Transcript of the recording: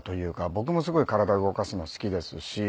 僕もすごい体動かすの好きですし。